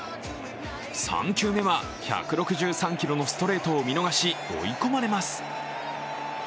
３球目は１６３キロのストレートを見逃し追い込まれます。